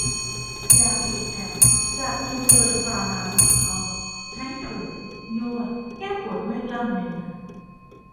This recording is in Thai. ยาเพลียแคม จากนิวเจริญฟาร์มาซูติคอล ใช้ถูนวดแก้ปวดเมื่อยกล้ามเนื้อ